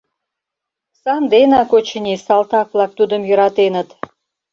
Санденак, очыни, салтак-влак тудым йӧратеныт.